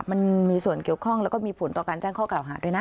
มันมีส่วนเกี่ยวข้องแล้วก็มีผลต่อการแจ้งข้อกล่าวหาด้วยนะ